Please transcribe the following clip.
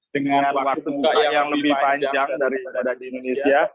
dengan waktu buka yang lebih panjang daripada di indonesia